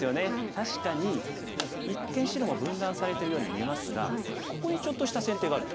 確かに一見白も分断されてるように見えますがここにちょっとした先手があるんです。